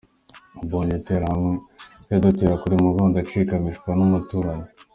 Mbonye Interahamwe zidutera buri mugoroba ndacika mpishwa n’umuturanyi.